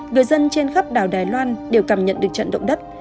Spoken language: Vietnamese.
người dân trên khắp đảo đài loan đều cảm nhận được trận động đất